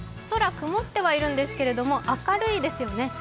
空、曇ってはいるんですけれども明るいですよね。